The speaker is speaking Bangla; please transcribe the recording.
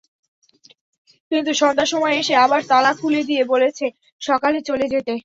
কিন্তু সন্ধ্যার সময় এসে আবার তালা খুলে দিয়ে বলেছে সকালে চলে যেতে।